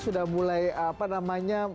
sudah mulai apa namanya